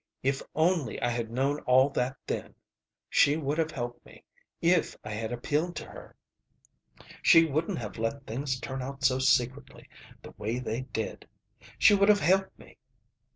If only I had known all that then! She would have helped me if I had appealed to her. She wouldn't have let things turn out secretly the way they did. She would have helped me.